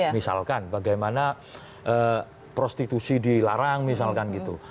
misalkan bagaimana prostitusi dilarang misalkan gitu